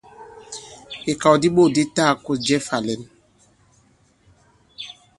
Ìkàw di bôt di ta-gā-kôs jɛ fā-lɛ̌n.